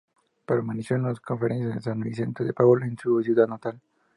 Perteneció a Las Conferencias de San Vicente de Paúl en su ciudad natal.